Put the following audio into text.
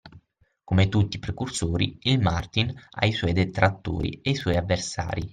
Come tutti i precursori, il Martin ha i suoi detrattori e i suoi avversari.